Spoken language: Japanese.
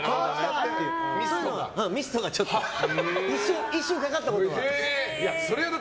ミストがちょっと一瞬かかったことはある。